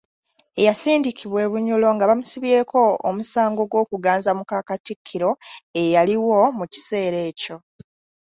Eyasindikibwa e Bunyoro nga bamusibyeko omusango gw’okuganza muka Katikkiro eyaliwo mu kiseera ekyo.